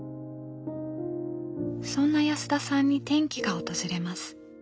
そんな安田さんに転機が訪れます。